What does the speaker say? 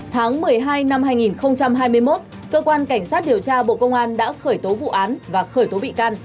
tháng một mươi hai năm hai nghìn hai mươi một cơ quan cảnh sát điều tra bộ công an đã khởi tố vụ án và khởi tố bị can